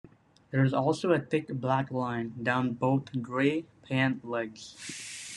There is also a thick black line down both gray pant legs.